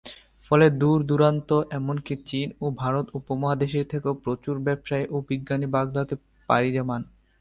ফলে দূর-দূরান্ত এমনকি চীন ও ভারত উপমহাদেশ থেকেও প্রচুর ব্যবসায়ী ও বিজ্ঞানী বাগদাদে পাড়ি জমান।